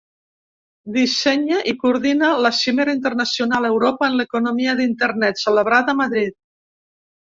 Dissenya i coordina la Cimera internacional Europa en l'Economia d'Internet, celebrada a Madrid.